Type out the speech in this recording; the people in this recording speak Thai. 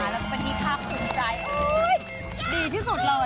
แล้วก็เป็นที่ภาพสนใจอุ๊ยดีที่สุดเลย